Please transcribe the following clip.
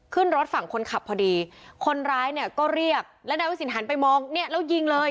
ขึ้นรถฝั่งคนขับพอดีคนร้ายเนี่ยก็เรียกแล้วนายวิสินหันไปมองเนี่ยแล้วยิงเลย